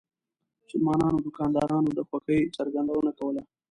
مسلمانو دکاندارانو د خوښۍ څرګندونه کوله.